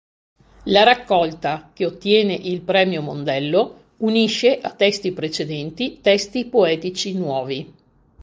La raccolta, che ottiene il premio Mondello, unisce a testi precedenti testi poetici nuovi.